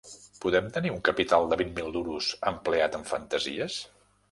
Podem tenir un capital de vint mil duros empleat en fantasíes?